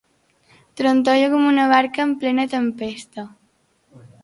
Trontolla com una barca en plena tempesta.